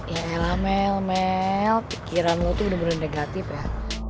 yaelah mel mel pikiran lo tuh bener bener negatif ya